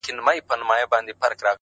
د زيارتـونو يې خورده ماتـه كـړه;